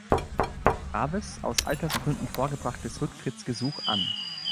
Graves aus Altersgründen vorgebrachtes Rücktrittsgesuch an.